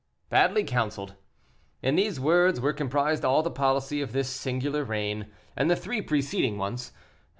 Badly counseled. In these words were comprised all the policy of this singular reign, and the three preceding ones.